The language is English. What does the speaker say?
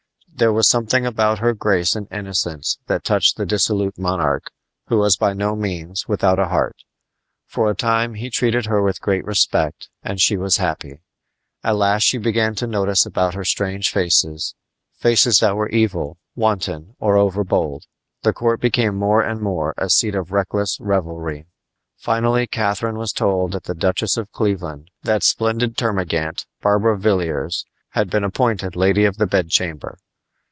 There was something about her grace and innocence that touched the dissolute monarch, who was by no means without a heart. For a time he treated her with great respect, and she was happy. At last she began to notice about her strange faces faces that were evil, wanton, or overbold. The court became more and more a seat of reckless revelry. Finally Catharine was told that the Duchess of Cleveland that splendid termagant, Barbara Villiers had been appointed lady of the bedchamber.